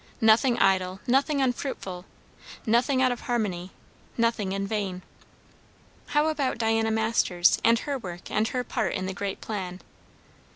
Nothing idle, nothing unfruitful, nothing out of harmony, nothing in vain. How about Diana Masters, and her work and her part in the great plan?